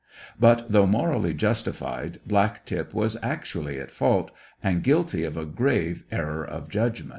But, though morally justified, Black tip was actually at fault, and guilty of a grave error of judgment.